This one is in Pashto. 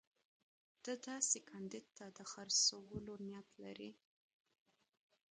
ده داسې کاندید ته د خرڅولو نیت لري.